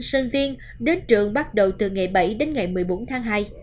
sinh viên đến trường bắt đầu từ ngày bảy đến ngày một mươi bốn tháng hai